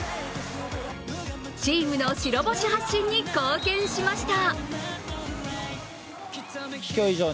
チームの白星発進に貢献しました。